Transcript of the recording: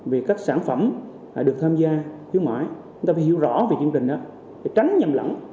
về các sản phẩm được tham gia khuyến mại chúng ta phải hiểu rõ về chương trình đó để tránh nhầm lẫn